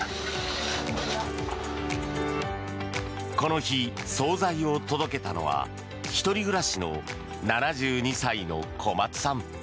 この日、総菜を届けたのは１人暮らしの７２歳の小松さん。